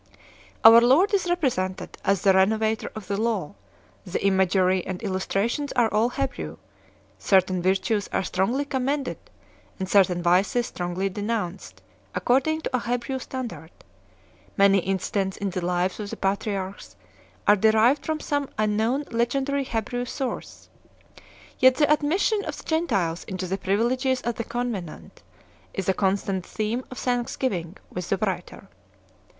Our Lord is represented as the renovator of the law ; the imagery and illustrations are all Hebrew ; certain virtues are strongly commended and certain vices strongly de nounced according to a Hebrew standard; many incidents in the lives of the patriarchs are derived from some un known legendary Hebrew source. Yet the admission of the Gentiles into the privileges of the covenant is a constant theme of thanksgiving with the writer.